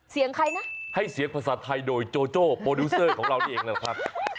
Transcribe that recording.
เสียงใครนะให้เสียงภาษาไทยโดยโจโจ้โปรดิวเซอร์ของเรานี่เองแหละครับ